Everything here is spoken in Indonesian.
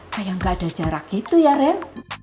kayak nggak ada jarak gitu ya ren